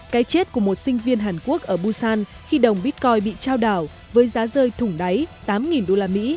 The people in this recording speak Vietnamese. cái chết của một sinh viên hàn quốc ở busan khi đồng bitcoin bị trao đảo với giá rơi thủng đáy tám usd